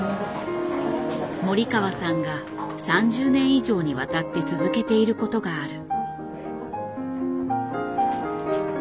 森川さんが３０年以上にわたって続けていることがある。